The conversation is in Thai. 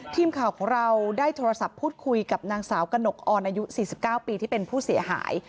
ทีมข่าวของเราได้โทรศัพท์พูดคุยกับนางสาวกระหนกออนอายุ๔๙ปีที่เป็นผู้เสียหาย